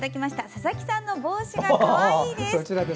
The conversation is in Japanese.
佐々木さんの帽子がかわいいです。